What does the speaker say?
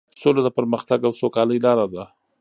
سوله د پرمختګ او سوکالۍ لاره ده.